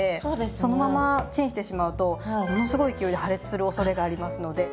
そのままチンしてしまうとものすごい勢いで破裂するおそれがありますので。